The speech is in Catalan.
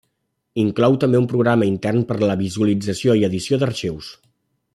Inclou també un programa intern per la visualització i edició d'arxius.